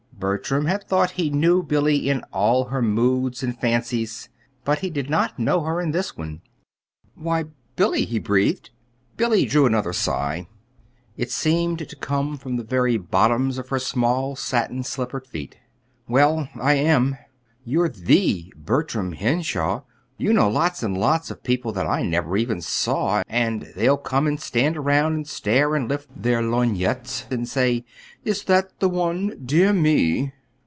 Bertram had thought he knew Billy in all her moods and fancies; but he did not know her in this one. "Why, Billy!" he breathed. Billy drew another sigh. It seemed to come from the very bottoms of her small, satin slippered feet. "Well, I am. You're the Bertram Henshaw. You know lots and lots of people that I never even saw. And they'll come and stand around and stare and lift their lorgnettes and say: 'Is that the one? Dear me!'"